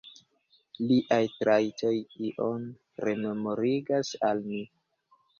Liaj trajtoj ion rememorigas al mi.